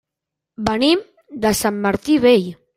Venim de Sant Martí Vell.